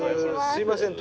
すみません